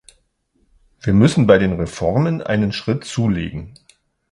Wir müssen bei den Reformen einen Schritt zulegen.